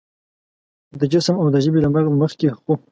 د جسم او د ژبې له مرګ مخکې خو